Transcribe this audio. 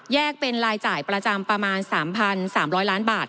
เป็นรายจ่ายประจำประมาณ๓๓๐๐ล้านบาท